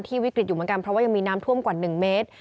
วิกฤตอยู่เหมือนกันเพราะว่ายังมีน้ำท่วมกว่า๑เมตร